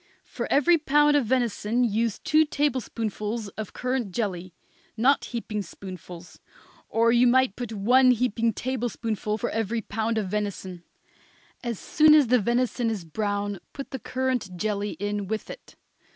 For every pound of venison use two tablespoonfuls of currant jelly not heaping spoonfuls; or you might put one heaping tablespoonful for every pound of venison. As soon as the venison is brown put the currant jelly in with it.